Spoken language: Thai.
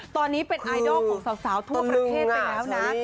ตอนนี้เป็นไอดอลของสาวทั่วประเทศไปแล้วนะ